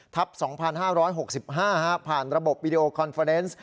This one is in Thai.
๒๕๖๕ผ่านระบบวิดีโอคอนเฟอร์เนส